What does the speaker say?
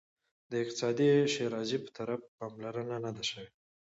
د اقتصادي ښیرازي په طرف پاملرنه نه ده شوې.